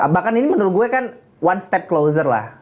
bahkan ini menurut gue kan one step closer lah